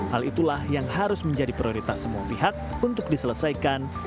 hal itulah yang harus menjadi prioritas semua pihak untuk diselesaikan